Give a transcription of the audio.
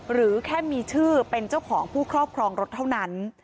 หรือแค่มีชื่อเป็นเจ้าของผู้ครอบครองรถเท่านั้น